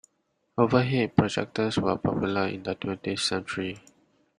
Overhead projectors were popular in the twentieth century.